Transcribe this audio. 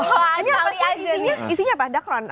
oh ini isinya apa dakron